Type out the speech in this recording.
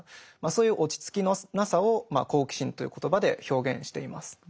そういう落ち着きのなさを「好奇心」という言葉で表現しています。